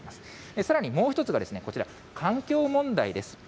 さらにもう一つが、こちら、環境問題です。